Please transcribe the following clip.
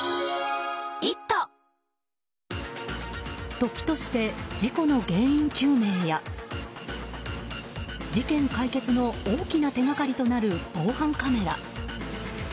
時として事故の原因究明や事件解決の大きな手掛かりとなる防犯カメラ。